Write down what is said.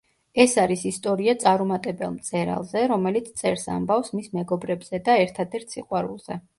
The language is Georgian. ეს არის ისტორია წარუმატებელ მწერალზე, რომელიც წერს ამბავს მის მეგობრებზე და ერთადერთ სიყვარულზე.